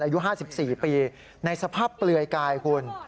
อายุ๕๔ปีในสภาพเปลือยกายคุณ